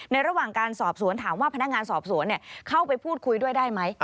ระหว่างการสอบสวนถามว่าพนักงานสอบสวนเข้าไปพูดคุยด้วยได้ไหม